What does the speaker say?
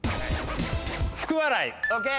福笑い。